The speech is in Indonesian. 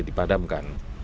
kota palembang juga dipadamkan